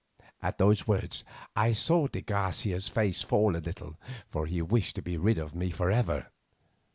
At these words I saw de Garcia's face fall a little, for he wished to be rid of me for ever.